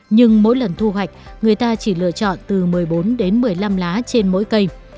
nhưng mỗi lần thu hoạch người ta chỉ lựa chọn từ một mươi bốn đến một mươi năm lá trên mỗi cây